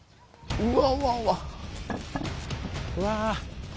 うわ。